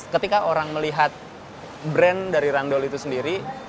ketika orang melihat brand dari randol itu sendiri